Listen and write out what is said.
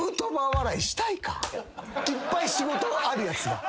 いっぱい仕事があるやつが。